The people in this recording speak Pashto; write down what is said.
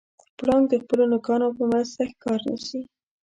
پړانګ د خپلو نوکانو په مرسته ښکار نیسي.